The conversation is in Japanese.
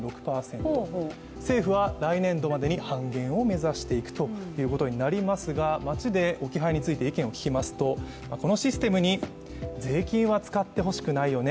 政府は来年度までに半減を目指していくということになりますが街で置き配について意見を聞きますといろんな声ありますよね。